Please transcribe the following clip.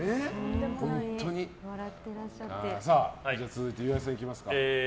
続いて、岩井さんいきますか。